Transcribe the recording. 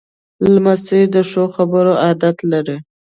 لمسی د ښو خبرو عادت لري.